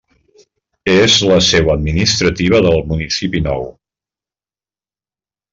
És la seu administrativa del municipi nou.